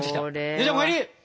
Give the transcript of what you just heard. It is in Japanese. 姉ちゃんお帰り！